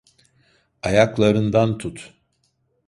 Ayaklarından tut.